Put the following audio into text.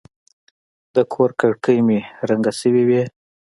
د کور کړکۍ مې رنګه شوې وې.